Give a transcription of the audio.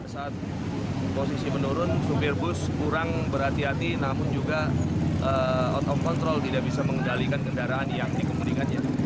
saat posisi menurun supir bus kurang berhati hati namun juga out of control tidak bisa mengendalikan kendaraan yang dikemudikannya